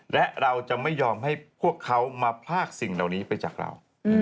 และเราจะไม่ยอมให้พวกเขามาพลากสิ่งเหล่านี้ไปจากเรา